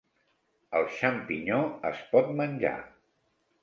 El xampinyó es pot menjar.